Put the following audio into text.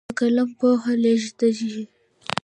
په قلم پوهه لیږدېږي.